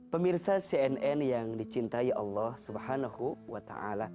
pemirsa cnn yang dicintai allah swt